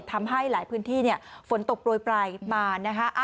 ทำให้หลายพื้นที่ฝนตกโปรยปลายมานะคะ